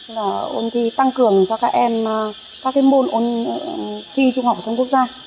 là ôn thi tăng cường cho các em các cái môn ôn thi trung học phổ thông quốc gia